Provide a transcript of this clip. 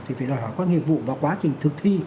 thì phải đòi hỏi qua nghiệp vụ và quá trình thực thi